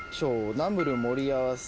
ナムル盛り合わせ。